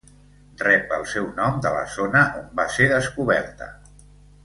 Rep el seu nom de la zona on va ser descoberta.